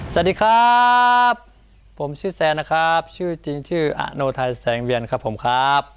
สวัสดีครับผมชื่อแซนนะครับชื่อจริงชื่ออโนไทยแสงเวียนครับผมครับ